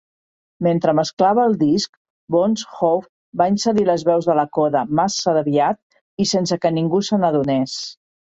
Mentre mesclava el disc, Bones Howe va inserir les veus de la coda massa aviat i sense que ningú se n'adonés.